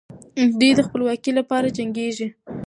دوی د خپلواکۍ لپاره جنګېږي.